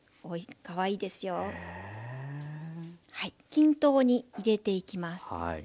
均等に入れていきます。